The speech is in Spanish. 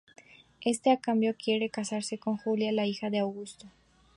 Éste, a cambio, quiere casarse con Julia, la hija de Augusto.